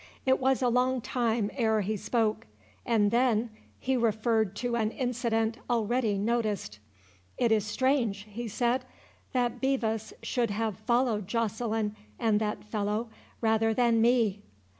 It was a long time ere he spoke, and then he referred to an incident already noticed. "It is strange," he said, "that Bevis should have followed Joceline and that fellow rather than me."